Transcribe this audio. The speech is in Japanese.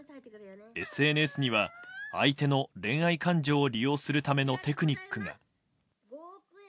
ＳＮＳには相手の恋愛感情を利用するためのテクニックが。